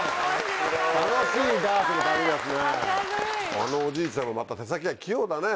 あのおじいちゃんもまた手先が器用だね。